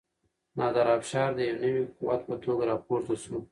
نادر افشار د یو نوي قوت په توګه راپورته شو.